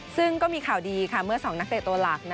ซึ่งก็มีข่าวดีเมื่อ๒นักเตะตัวหลัก